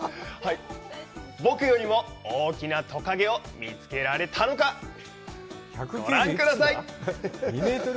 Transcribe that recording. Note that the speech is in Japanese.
僕よりも大きなトカゲを見つけられたのか、ご覧ください！